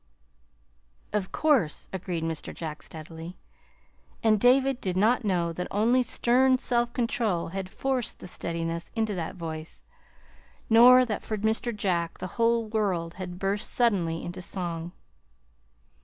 '" "Of course," agreed Mr. Jack steadily; and David did not know that only stern self control had forced the steadiness into that voice, nor that, for Mr. Jack, the whole world had burst suddenly into song.